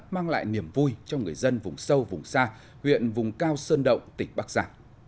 mang lại niềm vui cho người dân vùng sâu vùng xa huyện vùng cao sơn động tỉnh bắc giả